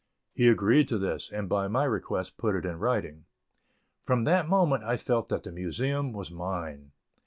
He agreed to this, and by my request put it in writing. From that moment I felt that the Museum was mine.